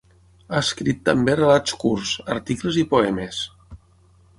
Ha escrit també relats curts, articles i poemes.